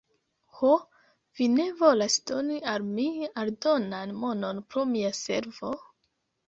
"Ho, vi ne volas doni al mi aldonan monon pro mia servo?"